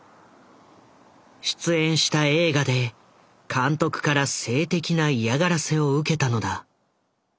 出演した映画で監督から性的な嫌がらせを受けたのだ。